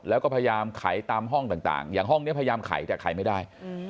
แล้วก็พยายามไขตามห้องต่างอย่างห้องนี้พยายามไขแต่ไขไม่ได้